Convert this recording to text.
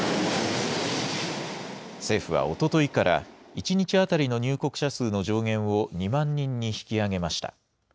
政府はおとといから、１日当たりの入国者数の上限を２万人に引き上げました。